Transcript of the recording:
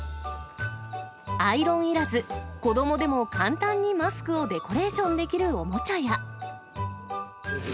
アイロンいらず、子どもでも簡単にマスクをデコレーションできるおもちゃや。